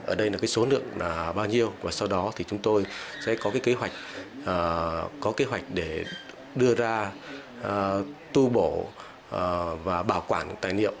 ở đây là số lượng bao nhiêu và sau đó chúng tôi sẽ có kế hoạch để đưa ra tu bổ và bảo quản tài liệu